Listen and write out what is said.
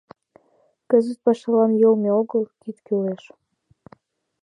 Кызыт пашалан йылме огыл, кид кӱлеш.